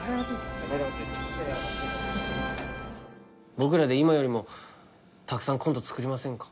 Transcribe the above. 「僕らで今よりもたくさんコント作りませんか？」